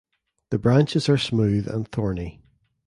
The branches are smooth and thorny.